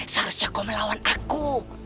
seharusnya kau melawan aku